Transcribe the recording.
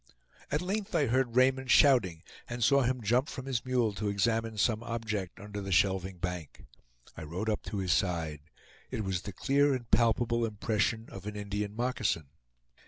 At length I heard Raymond shouting, and saw him jump from his mule to examine some object under the shelving bank. I rode up to his side. It was the clear and palpable impression of an Indian moccasin.